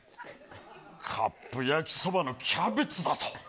カップ焼きそばのキャベツだと。